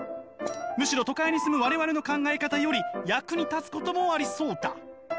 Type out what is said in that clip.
むしろ都会に住む我々の考え方より役に立つこともありそうだ」。